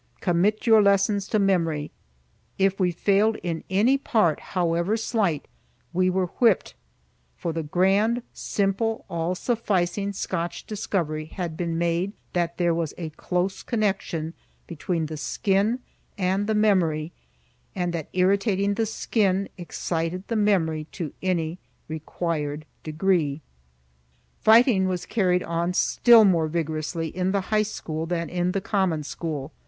Commit your lessons to memory!" If we failed in any part, however slight, we were whipped; for the grand, simple, all sufficing Scotch discovery had been made that there was a close connection between the skin and the memory, and that irritating the skin excited the memory to any required degree. Fighting was carried on still more vigorously in the high school than in the common school.